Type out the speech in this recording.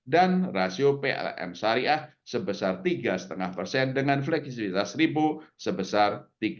dan rasio plm syariah sebesar tiga lima dengan fleksibilitas ripo sebesar tiga lima